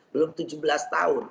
belum tujuh belas tahun